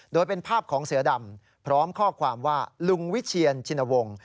โดยเป็นภาพของเสือดำพร้อมข้อความว่าลุงวิเชียนชินวงศ์